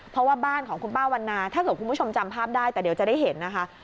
เพราะว่าบ้านของคุณป้าวันนาถ้าเกิดคุณผู้ชมจำภาพได้แต่เดี๋ยวจะได้เห็นนะคะ